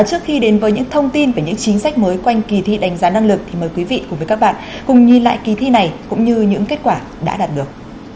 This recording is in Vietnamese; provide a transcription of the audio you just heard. trước khi đến với những thông tin về những chính sách mới quanh kỳ thi đánh giá năng lực thì mời quý vị cùng với các bạn cùng nhìn lại kỳ thi này cũng như những kết quả đã đạt được